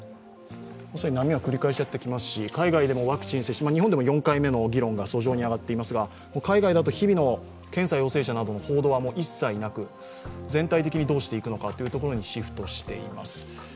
波は繰り返しやってきますし海外でもワクチン接種、日本でも４回目接種のこと、海外だと日々の検査陽性者の報道は一切なく全体的にどうしていくのかというところにシフとしています。